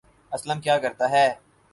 اسلم کیا کرتا ہے